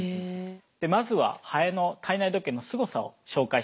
でまずはハエの体内時計のすごさを紹介します。